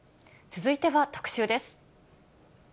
続いては特集です。